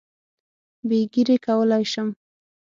بې ږیرې کولای شم.